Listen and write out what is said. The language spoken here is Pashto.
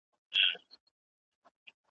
د بُت له ستوني اورمه آذان څه به کوو؟